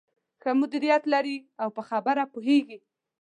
ښه مديريت لري او په خبره پوهېږې.